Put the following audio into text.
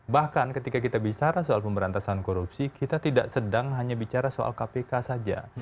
bahkan ketika kita bicara soal pemberantasan korupsi kita tidak sedang hanya bicara soal kpk saja